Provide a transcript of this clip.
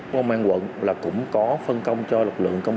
công an quận là cũng có phân công cho lực lượng công an